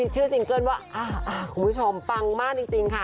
ชื่อซิงเกิ้ลว่าคุณผู้ชมปังมากจริงค่ะ